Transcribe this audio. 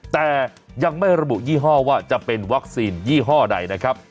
แต่ยังไม่ระบุยี่ห้อว่าจะเป็นวัคซีนยี่ห้อใดนะครับ